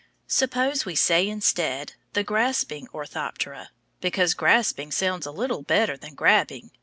Suppose we say instead the Grasping Orthoptera, because grasping sounds a little better than grabbing.